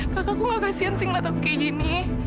kakak aku gak kasihan sih ngeliat aku kayak gini